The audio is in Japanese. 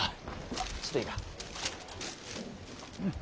ちっといいか。